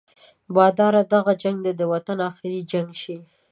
باداره دغه جنګ دې د وطن اخري جنګ شي.